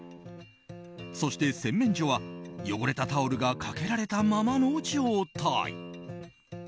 そして洗面所は汚れたタオルがかけられたままの状態。